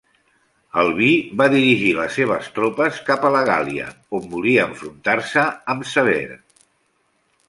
Albí va dirigir les seves tropes cap a la Gàl·lia, on volia enfrontar-se amb Sever.